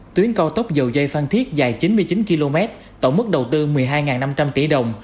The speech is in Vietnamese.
tuyến cao tốc dầu dây phan thiết dài chín mươi chín km tổng mức đầu tư một mươi hai năm trăm linh tỷ đồng